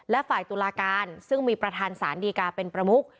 และฝ่ายตุลาการซึ่งมีประธานสารดีกาเป็นประมุก